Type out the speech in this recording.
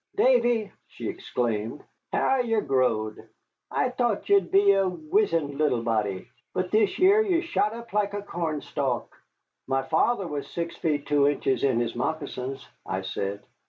"Davy," she exclaimed, "how ye've growed! I thought ye'd be a wizened little body, but this year ye've shot up like a cornstalk." "My father was six feet two inches in his moccasins," I said.